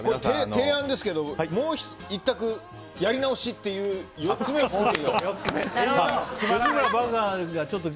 提案ですけど、もう１択やり直しっていう４つ目の提案を。